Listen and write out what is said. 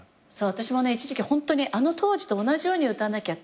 私も一時期ホントにあの当時と同じように歌わなきゃ。